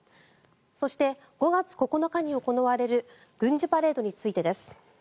そして、５月９日に行われる軍事パレードについてです。